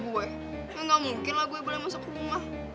cuma gak mungkin lah gue boleh masuk rumah